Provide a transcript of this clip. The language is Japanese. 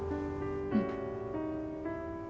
うん。